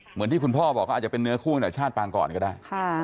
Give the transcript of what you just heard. เหมือนที่คุณพ่อบอกเขาอาจจะเป็นเนื้อคู่ไหนชาติปางก่อนก็ได้